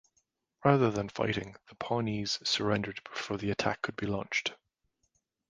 Rather than fighting, the Pawnees surrendered before the attack could be launched.